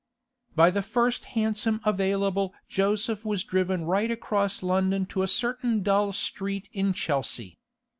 By the first hansom available Joseph was driven right across London to a certain dull street in Chelsea.